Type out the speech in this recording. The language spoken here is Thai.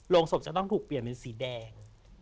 ศพจะต้องถูกเปลี่ยนเป็นสีแดง